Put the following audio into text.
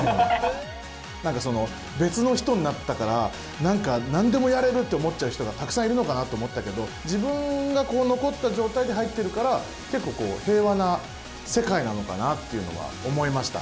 何かその別の人になったから何でもやれると思っちゃう人がたくさんいるのかなと思ったけど自分がこう残った状態で入ってるから結構平和な世界なのかなっていうのは思いました。